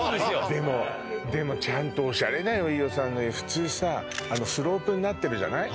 でもでもちゃんとオシャレだよ飯尾さんの家普通さスロープになってるじゃない？